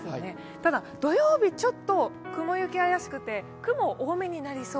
ただ、土曜日ちょっと雲行き怪しくて雲多めになりそう。